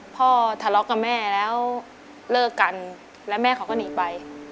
พ่อทะเลาะกับแม่แล้วเลิกกันแล้วแม่เขาก็หนีไป